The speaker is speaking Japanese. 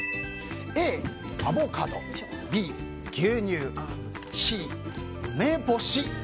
Ａ、アボカドＢ、牛乳Ｃ、梅干し。